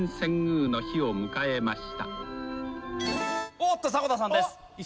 おっと迫田さんです。